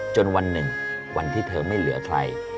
จนวันหนึ่งวันที่เธอไม่เหลือใคร